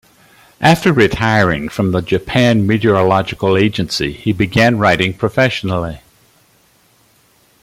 After retiring from the Japan Meteorological Agency, he began writing professionally.